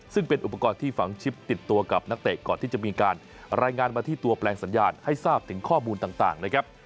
ซึ่งเป็นอุปกรณ์ที่ฝังชิปติดตัวกับนักเตะก่อนที่จะมีการรายงานมาที่ตัวแปลงสัญญาณให้ทราบถึงข้อมูลต่างนะครับ